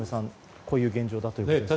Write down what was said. こういう現状ということですね。